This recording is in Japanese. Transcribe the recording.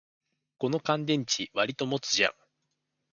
この乾電池、わりと持つじゃん